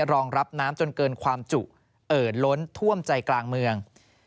รองรับน้ำจนเกินความจุเอิดล้นท่วมใจกลางเมือง